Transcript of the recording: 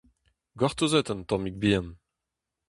Gortozit un tammig bihan ;